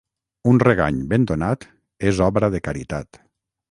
Un regany ben donat és obra de caritat.